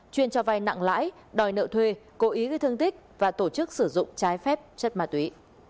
chuyên cho vay nặng lãi đòi nợ thuê cố ý gây thương tích và tổ chức sử dụng trái phép chất ma túy